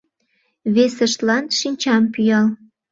Весыштлан шинчам пӱял